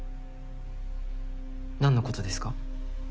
何のことですか？